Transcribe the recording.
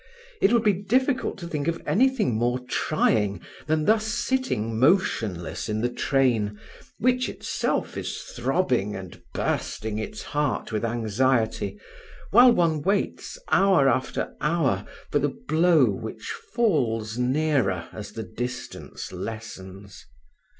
It would be difficult to think of anything more trying than thus sitting motionless in the train, which itself is throbbing and bursting its heart with anxiety, while one waits hour after hour for the blow which falls nearer as the distance lessens.